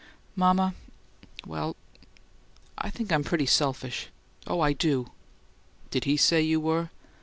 "Mama well, I think I'm pretty selfish. Oh, I do!" "Did he say you were?"